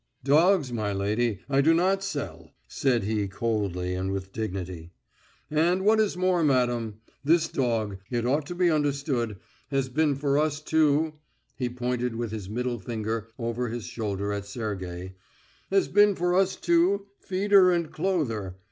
"Dogs, my lady, I do not sell," said he coldly and with dignity. "And, what is more, madam, that dog, it ought to be understood, has been for us two" he pointed with his middle finger over his shoulder at Sergey "has been for us two, feeder and clother.